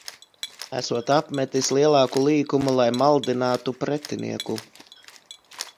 Esot apmetis lielāku līkumu, lai maldinātu pretinieku.